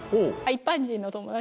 一般人の友達。